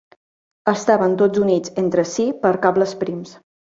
Estaven tots units entre si per cables prims.